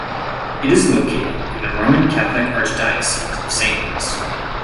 It is located in the Roman Catholic Archdiocese of Saint Louis.